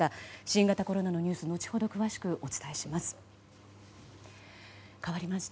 新型コロナのニュース後ほど詳しくお伝えします。